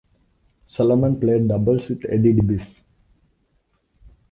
Solomon played doubles with Eddie Dibbs.